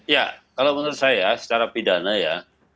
ya kalau menurut saya secara pidana ya